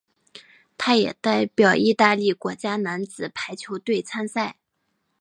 他也代表意大利国家男子排球队参赛。